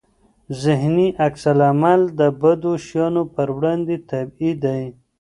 ذهني عکس العمل د بدو شیانو پر وړاندې طبيعي دی.